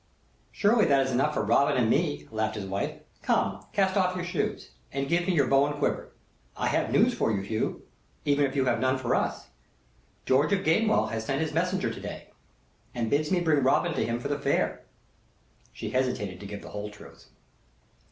"Surely that is enough for Robin and me!" laughed his wife. "Come, cast off your shoes, and give me your bow and quiver. I have news for you, Hugh, even if you have none for us. George of Gamewell has sent his messenger to day, and bids me bring Robin to him for the Fair." She hesitated to give the whole truth.